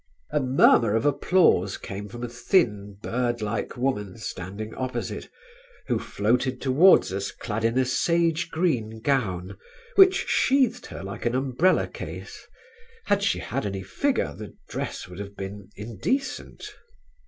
A murmur of applause came from a thin bird like woman standing opposite, who floated towards us clad in a sage green gown, which sheathed her like an umbrella case; had she had any figure the dress would have been indecent.